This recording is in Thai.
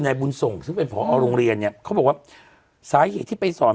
บุญส่งซึ่งเป็นผอโรงเรียนเนี่ยเขาบอกว่าสาเหตุที่ไปสอน